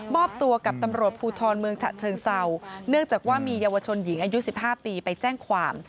อบตัวกับตำรวจภูทรเมืองฉะเชิงเศร้าเนื่องจากว่ามีเยาวชนหญิงอายุ๑๕ปีไปแจ้งความ